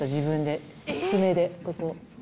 爪でここ。